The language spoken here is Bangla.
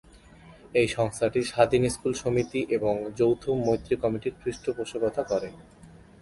এই সংস্থাটি স্বাধীন স্কুল সমিতি এবং "যৌথ মৈত্রী কমিটির" পৃষ্ঠপোষকতা করে।